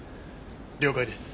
了解です。